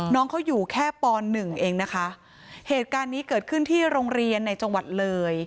น้องเขาอยู่แค่ปหนึ่งเองนะคะเหตุการณ์นี้เกิดขึ้นที่โรงเรียนในจังหวัดเลย